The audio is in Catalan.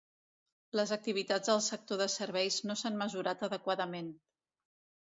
Les activitats del sector de serveis no s'han mesurat adequadament.